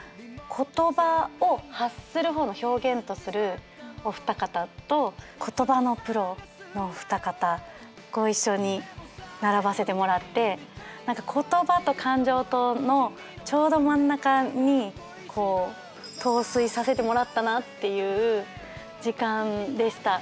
言葉を発する方の表現とするお二方と言葉のプロのお二方ご一緒に並ばせてもらって言葉と感情とのちょうど真ん中に陶酔させてもらったなっていう時間でした。